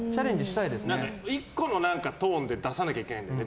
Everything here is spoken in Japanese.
１個のトーンで出さなきゃいけないんだよね